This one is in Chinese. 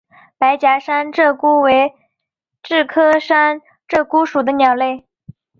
白颊山鹧鸪为雉科山鹧鸪属的鸟类。